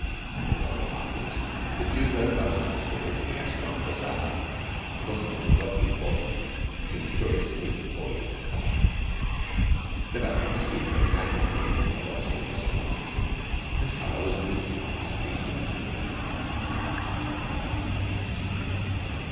They told me afterwards that Jews own most of the stalls in Assouan bazaar, the Mussulmans working for them, since tourists need Oriental colour. Never having seen or imagined a Jew coercing a Mussulman, this colour was new and displeasing to me.